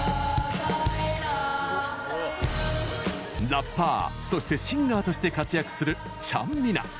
ラッパーそしてシンガーとして活躍するちゃんみな。